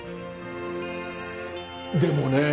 でもねえ。